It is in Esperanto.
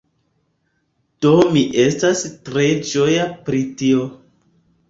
Do mi estas tre ĝoja pri tio.